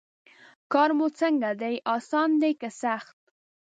کار مو څنګه دی اسان دی که سخت.